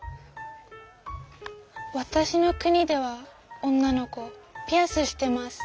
わたしの国では女の子ピアスしてます。